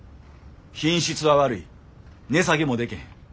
品質は悪い値下げもでけへん。